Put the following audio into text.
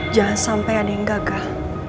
jangan sampai ada yang gagah